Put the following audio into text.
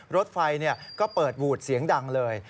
รถไฟเนี่ยก็เปิดหูดเสียงดังเลย